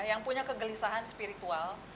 yang punya kegelisahan spiritual